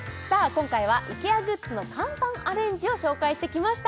今回はイケアグッズの簡単アレンジを紹介してきました